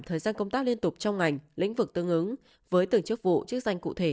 thời gian công tác liên tục trong ngành lĩnh vực tương ứng với từng chức vụ chức danh cụ thể